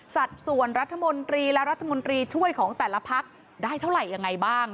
สัดส่วนรัฐมนตรีและรัฐมนตรีช่วยของแต่ละพักได้เท่าไหร่ยังไงบ้าง